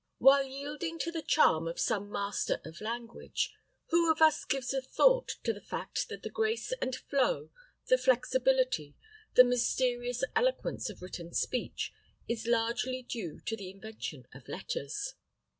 WHILE yielding to the charm of some master of language, who of us gives a thought to the fact that the grace and flow, the flexibility, the mysterious eloquence of written speech is largely due to the invention of letters.